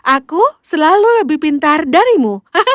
aku selalu lebih pintar darimu